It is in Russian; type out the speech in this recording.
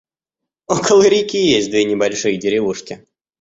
Около реки есть две небольшие деревушки.